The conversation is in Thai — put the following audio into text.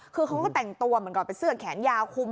คือเขาก็แต่งตัวเหมือนก่อนเป็นเสื้อแขนยาวคุม